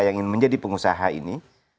yang ingin menjadi pengusaha ini